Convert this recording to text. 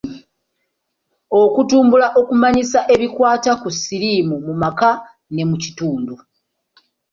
Okutumbula okumanyisa ebikwata ku siriimu mu maka ne mu kitundu.